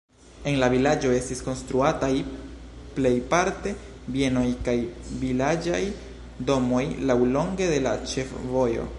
En la vilaĝo estis konstruataj plejparte bienoj kaj vilaĝaj domoj laŭlonge de la ĉefvojo.